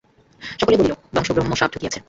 সকলে বলিল, বংশে ব্রহ্মশাপ ঢুকিয়াছে।